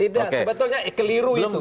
sebetulnya keliru itu